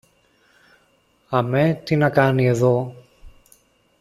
Αμέ τι να κάνει εδώ;